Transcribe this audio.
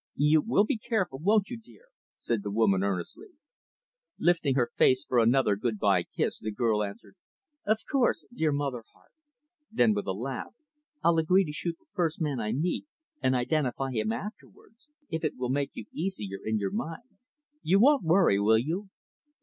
"You will be careful, won't you, dear," said the woman, earnestly. Lifting her face for another good by kiss, the girl answered, "Of course, dear mother heart." Then, with a laugh "I'll agree to shoot the first man I meet, and identify him afterwards if it will make you easier in your mind. You won't worry, will you?"